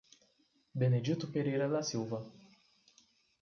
Benedito Pereira da Silva